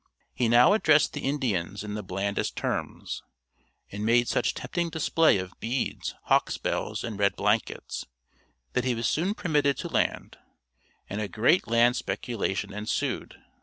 He now addressed the Indians in the blandest terms, and made such tempting display of beads, hawks's bells, and red blankets, that he was soon permitted to land, and a great land speculation ensued.